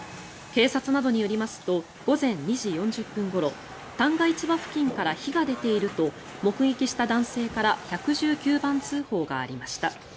警察などによりますと午前２時４０分ごろ旦過市場付近から火が出ていると目撃した男性から１１９番通報がありました。